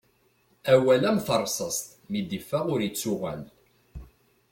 Awal am terṣast mi d-iffeɣ ur ittuɣal.